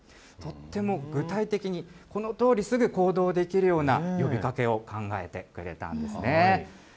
とっても具体的に、このとおりすぐ行動できるような呼びかけを考えてくれたんですね。